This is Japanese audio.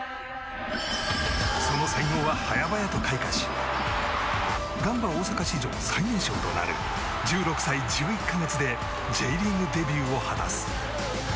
その才能は早々と開花しガンバ大阪史上最年少となる１６歳１１か月でＪリーグデビューを果たす。